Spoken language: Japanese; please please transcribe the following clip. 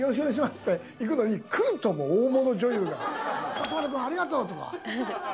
「勝俣君ありがとう」とか。